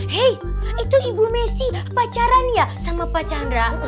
hei itu ibu messi pacaran ya sama pak chandra